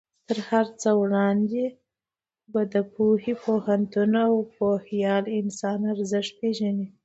تر هر څه وړاندې به د پوهې، پوهنتون او پوهیال انسان ارزښت پېژنې.